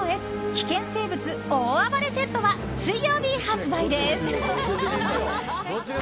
危険生物大暴れセット」は水曜日発売です。